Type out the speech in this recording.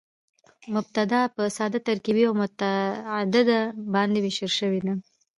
مبتداء په ساده، ترکیبي او متعدده باندي وېشل سوې ده.